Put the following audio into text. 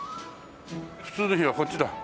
普通の日はこっちだ。